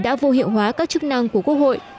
đã vô hiệu hóa các chức năng của quốc hội